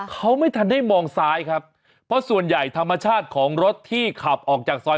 เขาไม่ทันได้มองซ้ายครับเพราะส่วนใหญ่ธรรมชาติของรถที่ขับออกจากซอย